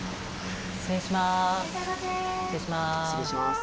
失礼します。